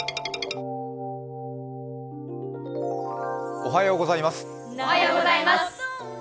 おはようございます。